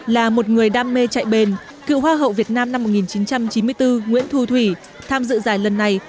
là một người đam mê chạy bền cựu hoa hậu việt nam năm một nghìn chín trăm chín mươi bốn nguyễn thu thủy tham dự giải lần này